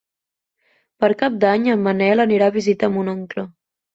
Per Cap d'Any en Manel anirà a visitar mon oncle.